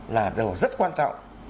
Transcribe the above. là điều rất quan trọng